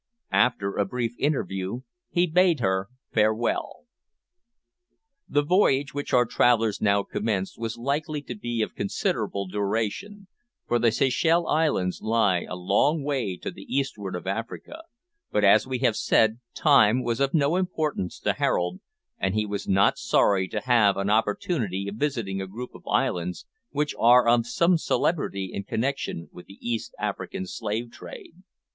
After a brief interview he bade her farewell. The voyage which our travellers now commenced was likely to be of considerable duration, for the Seychelles Islands lie a long way to the eastward of Africa, but as we have said, time was of no importance to Harold, and he was not sorry to have an opportunity of visiting a group of islands which are of some celebrity in connexion with the East African slave trade.